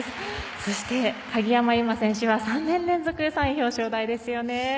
そして鍵山優真選手は３年連続３位表彰台ですよね。